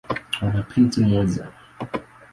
Wana binti mmoja.